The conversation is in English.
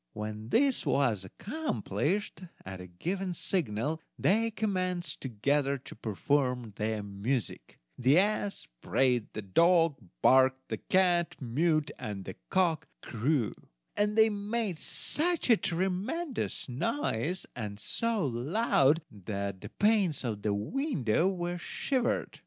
When this was accomplished, at a given signal they commenced together to perform their music: the ass brayed, the dog barked, the cat mewed, and the cock crew; and they made such a tremendous noise, and so loud, that the panes of the window were shivered!